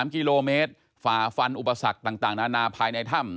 ๓กิโลเมตรฝ่าฟันอุปสรรคต่างนานาภายในถ้ำ